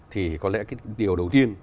thì có lẽ điều đầu tiên